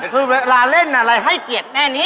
คือเวลาเล่นอะไรให้เกียรติแม่นี้